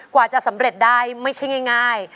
กว่าจะสำเร็จได้ไม่ใช่ง่าย